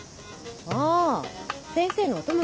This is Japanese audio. ああ先生のお友達？